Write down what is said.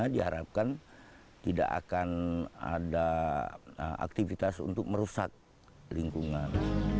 diharapkan tidak akan ada aktivitas untuk merusak lingkungan